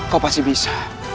kau pasti bisa